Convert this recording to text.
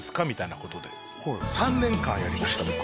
みたいなことで３年間やりました